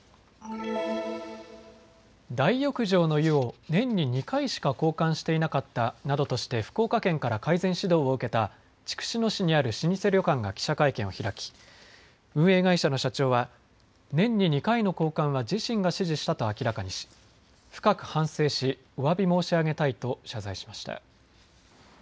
大浴場の湯を年に２回しか交換していなかったなどとして福岡県から改善指導を受けた筑紫野市にある老舗旅館が記者会見を開き運営会社の社長は年に２回の交換は自身が指示したと明らかにし深く反省しおわび申し上げたいと謝罪しました。